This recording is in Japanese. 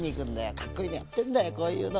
かっこいいのやってんだよこういうのをさ。